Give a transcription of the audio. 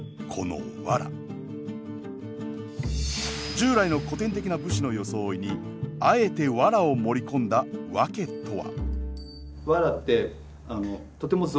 従来の古典的な武士の装いにあえてワラを盛り込んだ訳とは？